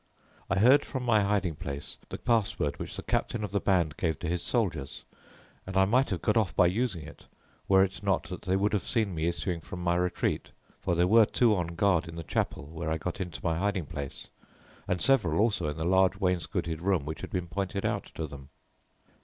I heard from my hiding place the password which the captain of the band gave to his soldiers, and I might have got off by using it, were it not that they would have seen me issuing from my retreat, for there were two on guard in the chapel where I got into my hiding place, and several also in the large wainscoted room which had been pointed out to them.